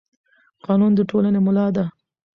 قانون د ټولنې ملا ده